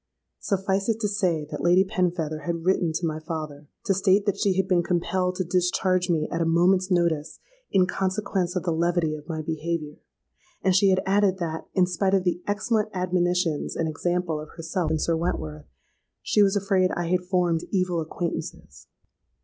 Suffice it to say that Lady Penfeather had written to my father, to state that she had been compelled to discharge me at a moment's notice 'in consequence of the levity of my behaviour;' and she had added that, 'in spite of the excellent admonitions and example of herself and Sir Wentworth,' she was afraid I had formed evil acquaintances.